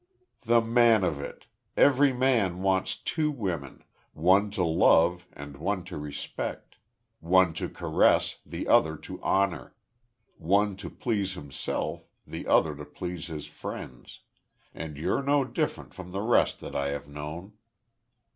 "The man of it! Every man wants two women one to love, and one to respect; one to caress, the other to honor; one to please himself, the other to please his friends. And you're no different from the rest that I have known."